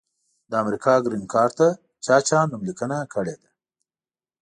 د امریکا ګرین کارټ ته چا چا نوملیکنه کړي ده؟